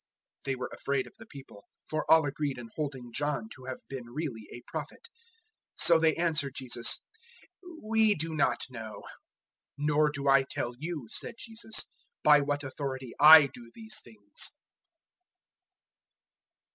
'" They were afraid of the people; for all agreed in holding John to have been really a Prophet. 011:033 So they answered Jesus, "We do not know." "Nor do I tell you," said Jesus, "by what authority I do these things."